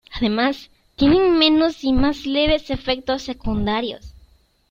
Además, tienen menos y más leves efectos secundarios.